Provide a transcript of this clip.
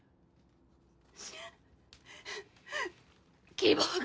希望が。